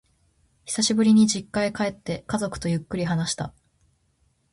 久しぶりに実家へ帰って、家族とゆっくり話した。